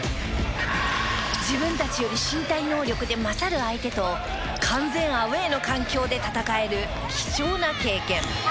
自分たちより身体能力で勝る相手と完全アウェーの環境で戦える貴重な経験。